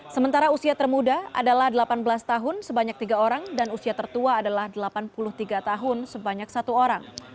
sementara usia termuda adalah delapan belas tahun sebanyak tiga orang dan usia tertua adalah delapan puluh tiga tahun sebanyak satu orang